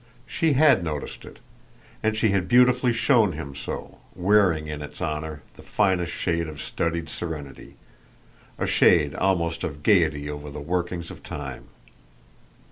She HAD noticed it, and she had beautifully shown him so; wearing in its honour the finest shade of studied serenity, a shade almost of gaiety over the workings of time.